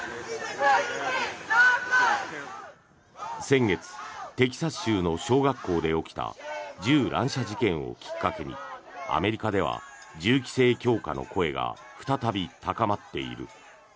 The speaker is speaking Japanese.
先月、テキサス州の小学校で起きた銃乱射事件をきっかけにアメリカでは銃規制強化の声が再び高まっている。